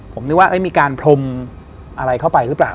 ผมนึกว่ามีการพรมอะไรเข้าไปหรือเปล่า